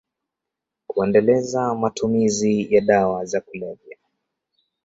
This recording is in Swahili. kuendeleza matumizi ya dawa za kulevya